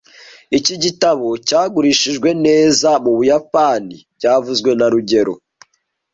Iki gitabo cyagurishijwe neza mu Buyapani byavuzwe na rugero